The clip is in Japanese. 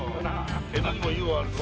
江戸にも湯はあるぞ。